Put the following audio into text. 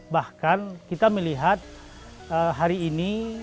bahkan kita melihat hari ini